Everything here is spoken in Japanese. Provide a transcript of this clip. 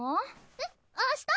えっ？明日？